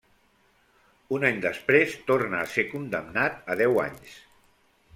Un any després torna a ser condemnat a deu anys.